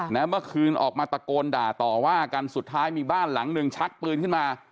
เมื่อคืนออกมาตะโกนด่าต่อว่ากันสุดท้ายมีบ้านหลังหนึ่งชักปืนขึ้นมา